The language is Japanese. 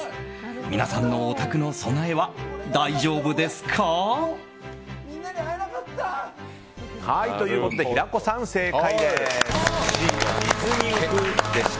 皆さんのお宅の備えは大丈夫ですか？ということで平子さん正解です！